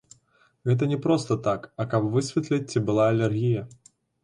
Гэта не проста так, а каб высветліць, ці была алергія.